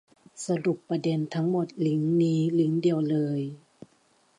สรุปประเด็นทั้งหมดลิงก์นี้ลิงก์เดียวเลย